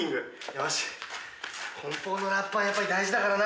茵舛梱包のラップはやっぱり大事だからな。